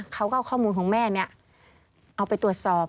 เขาก็เอาข้อมูลของแม่เนี่ยเอาไปตรวจสอบ